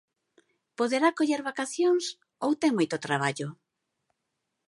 Poderá coller vacacións ou ten moito traballo?